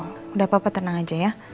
udah papa tenang aja ya